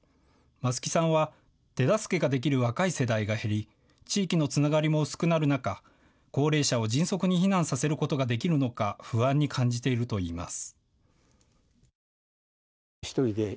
増木さんは手助けができる若い世代が減り地域のつながりも薄くなる中、高齢者を迅速に避難させることができるのか不安に感じているといいます。